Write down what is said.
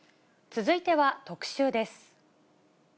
続いては特集です。